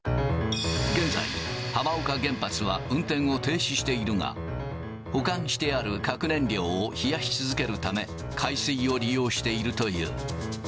現在、浜岡原発は運転を停止しているが、保管してある核燃料を冷やし続けるため、海水を利用しているという。